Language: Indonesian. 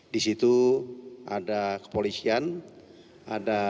di situ ada kepolisian ada